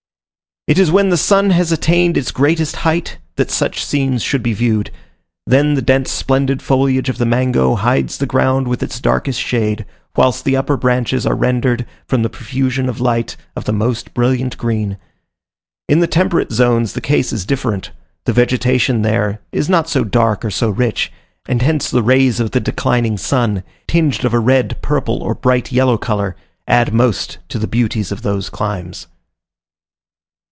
It is when the sun has attained its greatest height, that such scenes should be viewed: then the dense splendid foliage of the mango hides the ground with its darkest shade, whilst the upper branches are rendered from the profusion of light of the most brilliant green. In the temperate zones the case is different the vegetation there is not so dark or so rich, and hence the rays of the declining sun, tinged of a red, purple, or bright yellow color, add most to the beauties of those climes.